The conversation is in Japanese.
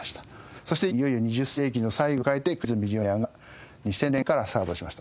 そしていよいよ２０世紀の最後を迎えて『クイズ＄ミリオネア』が２０００年からスタートしました。